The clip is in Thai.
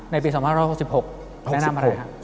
ปี๒๖๖แนะนำอะไรครับ